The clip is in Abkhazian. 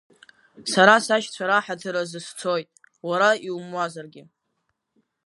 Сара сашьцәа раҳаҭыр азы сцоит, уара иумуазаргьы.